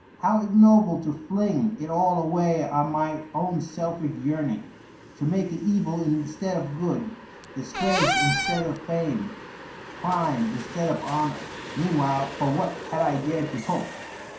How ignoble to fling it all away on my own selfish yearning !— ^to make it evil instead of good, disgrace instead of fame, (rime in stead of honor! •. Meanwhile, for what had I dared to hope?